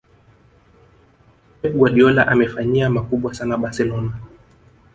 pep guardiola amefanyia makubwa sana barcelona